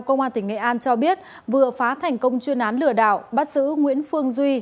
công an tỉnh nghệ an cho biết vừa phá thành công chuyên án lửa đảo bắt giữ nguyễn phương duy